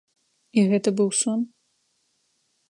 І гэта быў сон?